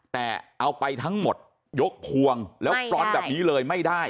แต่เอาไปทั้งหมดยกพวงแล้วปลอนแบบนี้เลยไม่ได้